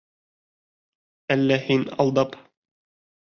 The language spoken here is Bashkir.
Әллә һин алдап...